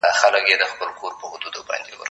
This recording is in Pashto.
ته څه ږغ اورې!.